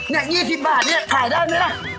๒๐บาทเนี่ยขายได้ไหมล่ะ